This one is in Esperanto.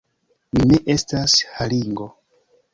Mi ne estas haringo!